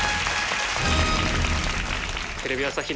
テレビ朝日